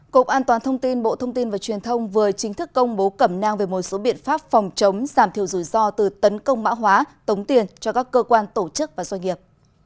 cục an toàn thông tin bộ thông tin và truyền thông vừa chính thức công bố cẩm nang về một số biện pháp phòng chống giảm thiểu rủi ro từ tấn công mã hóa tống tiền cho các cơ quan tổ chức và doanh nghiệp